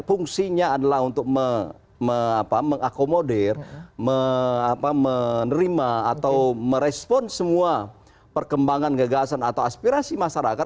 fungsinya adalah untuk mengakomodir menerima atau merespon semua perkembangan gagasan atau aspirasi masyarakat